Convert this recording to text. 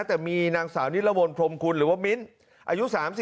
แต่มีนางสาวนิรวนพรมคุณหรือว่ามิ้นอายุ๓๒